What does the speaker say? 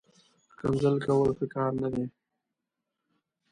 ښکنځل کول، ښه کار نه دئ